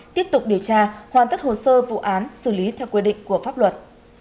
tiếp tục điều tra hoàn tất hồ sơ vụ án xử lý theo quy định của pháp luật